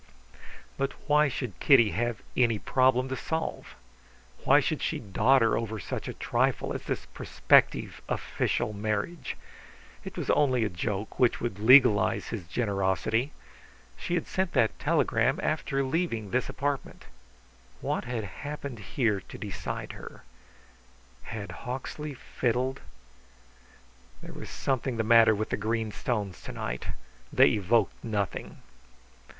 But why should Kitty have any problem to solve? Why should she dodder over such a trifle as this prospective official marriage? It was only a joke which would legalize his generosity. She had sent that telegram after leaving this apartment. What had happened here to decide her? Had Hawksley fiddled? There was something the matter with the green stones to night; they evoked nothing.